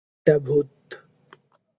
সে একটা ভূত।